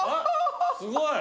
すごい。